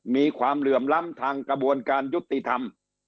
เหลื่อมล้ำทางกระบวนการยุติธรรม